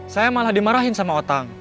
saya malah dimarahin sama otak